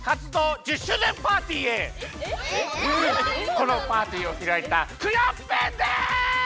このパーティーをひらいたクヨッペンです！え！？